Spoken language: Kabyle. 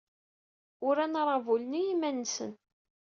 Uran aṛabul-nni i yiman-nsen.